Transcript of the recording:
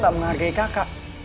kamu menghargai kakak